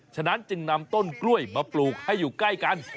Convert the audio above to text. ฉะนั้นจึงนำต้นกล้วยมาปลูกให้อยู่ใกล้กัน